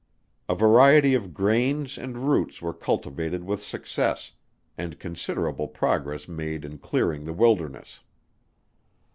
A variety of grains and roots were cultivated with success, and considerable progress made in clearing the wilderness.